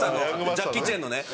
ジャッキー・チェンの？